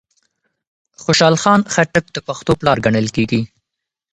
خوشحال خان خټک د پښتو پلار ګڼل کېږي